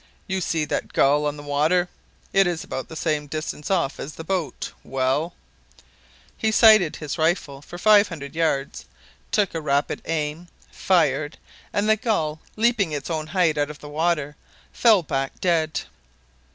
You see that gull on the water? It is about the same distance off as the boat well " He sighted his rifle for five hundred yards, took a rapid aim, fired, and the gull, leaping its own height out of the water, fell back dead.